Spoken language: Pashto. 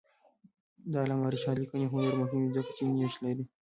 د علامه رشاد لیکنی هنر مهم دی ځکه چې نیښ لري.